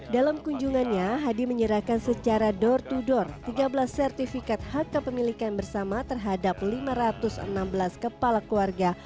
dalam kunjungannya hadi menyerahkan secara door to door tiga belas sertifikat hak kepemilikan bersama terhadap lima ratus enam belas kepala keluarga